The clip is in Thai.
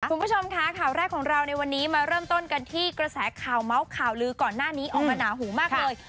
คุณผู้ชมค่ะข่าวแรกของเราในวันนี้มาเริ่มต้นกันที่กระแสข่าวเมาส์ข่าวลือก่อนหน้านี้ออกมาหนาหูมากเลย